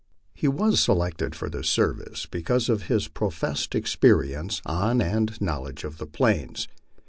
He was selected for this service because of his professed experience on and knowledge of the Plains.